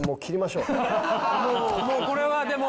もうこれはでも。